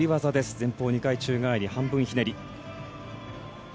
前方２回宙返り半分ひねり。